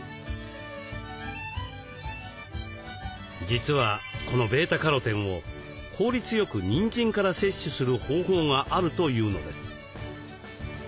実はこのβカロテンを効率よくにんじんから摂取する方法があるというのです。